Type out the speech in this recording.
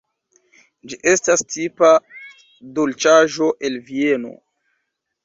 Ĝi estas tipa dolĉaĵo el Vieno.